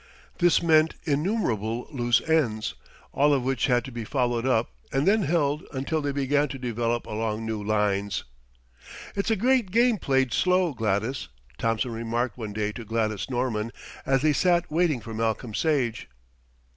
This meant innumerable loose ends, all of which had to be followed up and then held until they began to develop along new lines. "It's a great game played slow, Gladys," Thompson remarked one day to Gladys Norman as they sat waiting for Malcolm Sage.